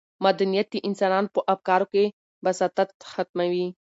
مدنیت د انسانانو په افکارو کې بساطت ختموي.